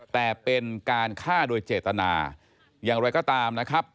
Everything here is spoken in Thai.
แต่เป็นการฆ่าโดยเจตนาอย่างไรก็ตามนะครับ